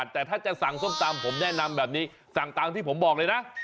แต่ถ้าจะสั่งส้มตำผมแนะนำแบบนี้สั่งตามที่ผมบอกเลยนะ